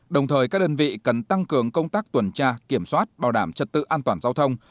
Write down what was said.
đồng thời các đơn vị cần tăng cường công tác tuần tra kiểm soát bảo đảm trật tự an toàn giao thông